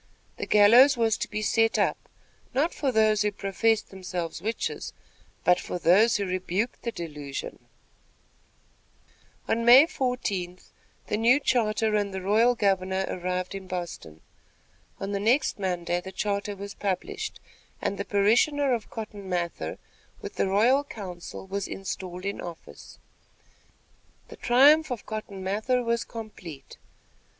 The gallows was to be set up, not for those who professed themselves witches, but for those who rebuked the delusion. [Illustration: Lieut. Gov. Stoughton.] On May 14th, the new charter and the royal governor arrived in Boston. On the next Monday, the charter was published, and the parishioner of Cotton Mather, with the royal council, was installed in office. The triumph of Cotton Mather was complete.